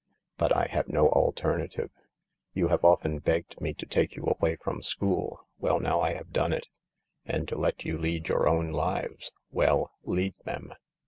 But I have no alternative. " You have often begged me to take you away from school. Well, now I have done it. And to let you lead your own lives. Well— lead them.